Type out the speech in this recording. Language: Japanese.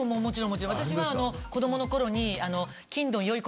もちろんもちろん私は子どもの頃に『欽ドン！